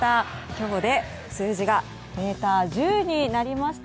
今日で数字がメーター１０になりました。